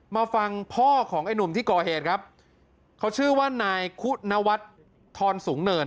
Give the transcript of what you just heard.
มาฟังพ่อของไอ้หนุ่มที่ก่อเหตุครับเขาชื่อว่านายคุณวัฒน์ทรสูงเนิน